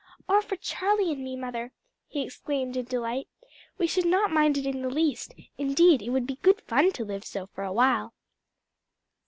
"Or for Charlie and me, mother," he exclaimed in delight; "we should not mind it in the least; indeed it would be good fun to live so for a while."